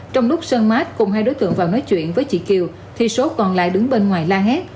trong lúc sơn mát cùng hai đối tượng vào nói chuyện với chị kiều thì số còn lại đứng bên ngoài la hét